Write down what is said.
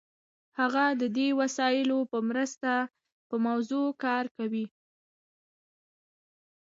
هغه د دې وسایلو په مرسته په موضوع کار کوي.